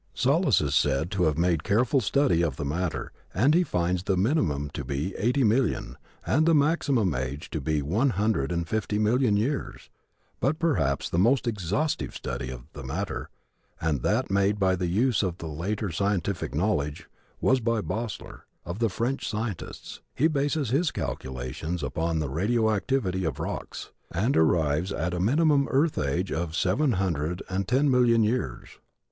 Sollas is said to have made careful study of the matter and he finds the minimum to be eighty million, and the maximum age to be one hundred and fifty million years. But perhaps the most exhaustive study of the matter, and that made by the use of the later scientific knowledge, was by Bosler, of the French scientists. He bases his calculations upon the radio activity of rocks and arrives at a minimum earth age of seven hundred and ten millions of years.